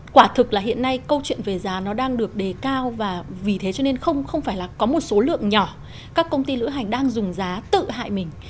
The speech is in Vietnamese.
quả thực là hiện nay câu chuyện về giá nó đang được đề cao và vì thế cho nên không phải là có một số lượng nhỏ các công ty lữ hành đang dùng giá tự hại mình